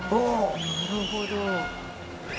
なるほど。